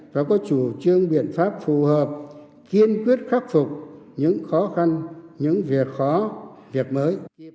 và có chủ trương biện pháp phù hợp kiên quyết khắc phục những khó khăn những việc khó việc mới